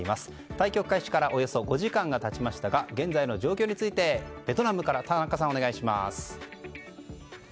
対局開始からおよそ５時間が経ちましたが現在の状況についてベトナムから田中さんお願いします。